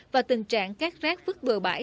và tình trạng các rác vứt bừa bãi